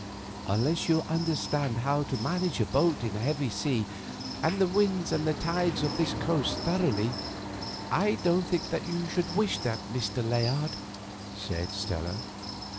"Unless you understand how to manage a boat in a heavy sea, and the winds and tides of this coast thoroughly, I don't think that you should wish that, Mr. Layard," said Stella.